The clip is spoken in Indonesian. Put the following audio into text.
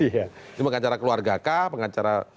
ini pengacara keluarga kah pengacara